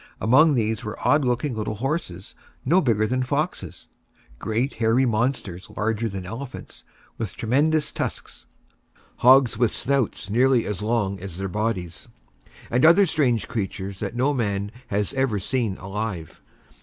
Among these were odd looking little horses no bigger than foxes; great hairy monsters larger than elephants, with tremendous tusks; hogs with snouts nearly as long as their bodies; and other strange creatures that no man has ever seen alive.